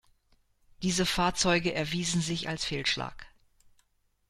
Diese Fahrzeuge erwiesen sich als Fehlschlag.